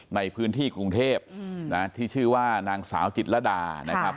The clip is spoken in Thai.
ในพื้นที่กรุงเทพที่ชื่อว่านางสาวจิตรดานะครับ